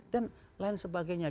dan lain sebagainya